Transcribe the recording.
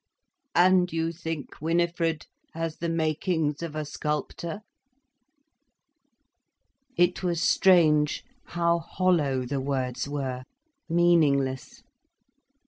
"And you think Winifred has the makings of a sculptor?" It was strange how hollow the words were, meaningless.